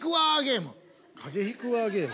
風邪ひくわゲーム。